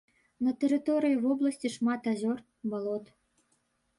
На тэрыторыі вобласці шмат азёр, балот.